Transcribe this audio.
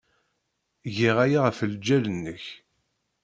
Giɣ aya ɣef lǧal-nnek.